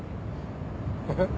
えっ？